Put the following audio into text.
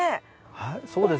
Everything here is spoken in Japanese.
はいそうですね。